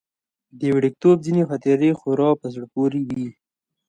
د وړکتوب ځينې خاطرې خورا په زړه پورې وي.